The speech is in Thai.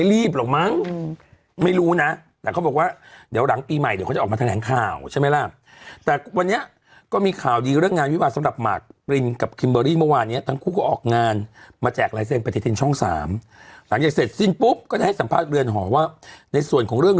รีบหรอกมั้งไม่รู้นะแต่เขาบอกว่าเดี๋ยวหลังปีใหม่เดี๋ยวเขาจะออกมาแถลงข่าวใช่ไหมล่ะแต่วันนี้ก็มีข่าวดีเรื่องงานวิวาสำหรับหมากปรินกับคิมเบอรี่เมื่อวานเนี้ยทั้งคู่ก็ออกงานมาแจกลายเซ็นปฏิทินช่องสามหลังจากเสร็จสิ้นปุ๊บก็ได้ให้สัมภาษณ์เรือนหอว่าในส่วนของเรื่อง